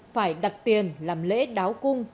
phải đặt tiền làm lễ đáo cung